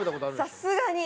さすがに。